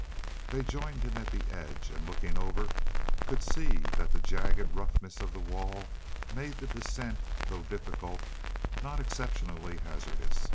They joined him at the edge and, looking over, could see that the jagged roughness of the wall made the descent, though difficult, not exceptionally hazardous.